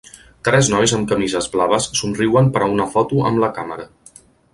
Tres nois amb camises blaves somriuen per a una foto amb la càmera.